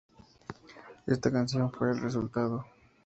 Esta canción fue el resultado.